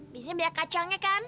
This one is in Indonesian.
biasanya banyak kacangnya kan